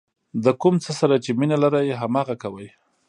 د کوم څه سره چې مینه لرئ هماغه کوئ.